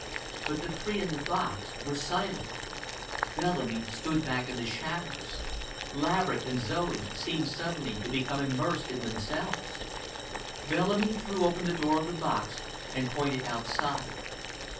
But the three in the box were silent. Bellamy stood back in the shadows. Laverick and Zoe seemed suddenly to become immersed in themselves. Bellamy threw open the door of the box and pointed outside.